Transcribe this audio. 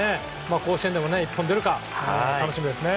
甲子園でも一本出るか楽しみですね。